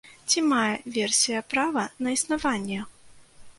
Ці мае версія права на існаванне?